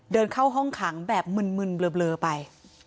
เดินเข้าห้องขังแบบมึนเบลอไป